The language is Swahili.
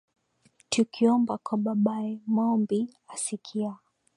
Tukiomba kwa babaye, Maombi asikia